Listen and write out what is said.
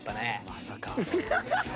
まさか。